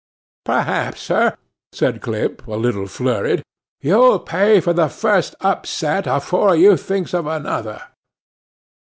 'Perhaps, sir,' said Clip, a little flurried, 'you'll pay for the first upset afore you thinks of another.